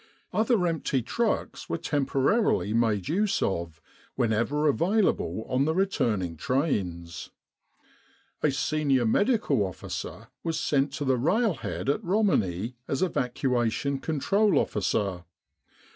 Other empty trucks were temporarily made 122 The Sinai Desert Campaign use of, whenever available on the returning trains. A senior Medical Officer was sent to the railhead at Romani as Evacuation Control Officer.